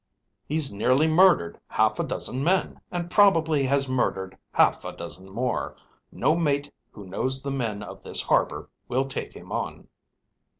He's nearly murdered half a dozen men and probably has murdered half a dozen more. No mate who knows the men of this harbor will take him on."